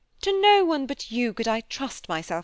To no one but you could I trust myself